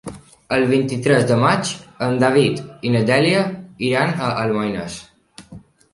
El vint-i-tres de maig en David i na Dèlia iran a Almoines.